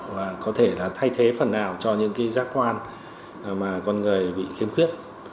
và có thể là thay thế phần nào cho những cái giác quan mà con người bị khiếm khuyết